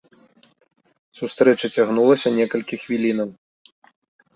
Сустрэча цягнулася некалькі хвілінаў.